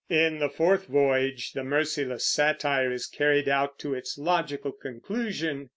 In the fourth voyage the merciless satire is carried out to its logical conclusion.